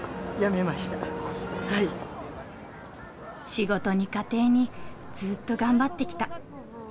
仕事に家庭にずっと頑張ってきた。